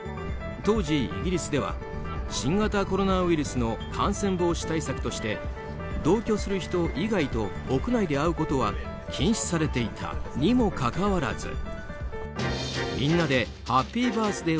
当時、イギリスでは新型コロナウイルスの感染防止対策として同居する人以外と屋内で会うことは禁止されていたにもかかわらず